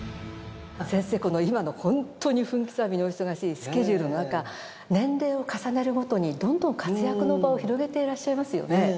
先生この今のホントに分刻みのお忙しいスケジュールの中年齢を重ねるごとにどんどん活躍の場を広げていらっしゃいますよね。